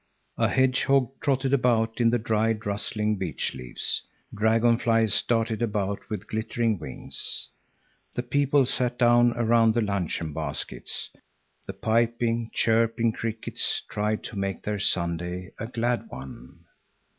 A hedgehog trotted about in the dried, rustling beech leaves. Dragonflies darted about with glittering wings. The people sat down around the luncheon baskets. The piping, chirping crickets tried to make their Sunday a glad one.